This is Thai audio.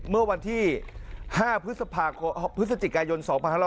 เมื่อวันที่๕พฤศจิกายน๒๕๖๐